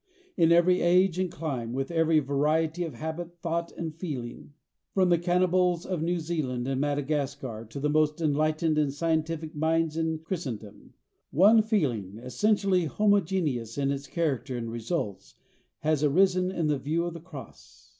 In every age and clime, with every variety of habit, thought, and feeling, from the cannibals of New Zealand and Madagascar to the most enlightened and scientific minds in Christendom, one feeling, essentially homogeneous in its character and results, has arisen in view of this cross.